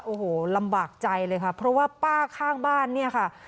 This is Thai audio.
โอ้โหลำบากใจเลยค่ะเพราะว่าป้าข้างบ้านเนี่ยค่ะ